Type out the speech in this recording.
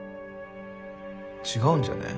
違うんじゃねぇ？